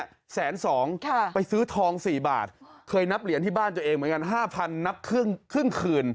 ๑๐๒๐๐๐บาทไปซื้อทอง๔บาทเหมือนกัน๕๐๐๐บาทนับครึ่งขึน